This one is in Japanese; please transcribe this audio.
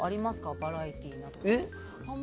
バラエティーなど。